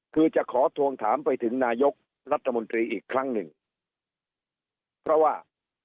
คือจะขอทวงถามไปถึงนายกรัฐมนตรีอีกครั้งหนึ่งเพราะว่า